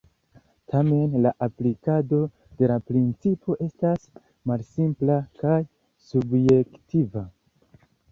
Tamen la aplikado de la principo estas malsimpla kaj subjektiva.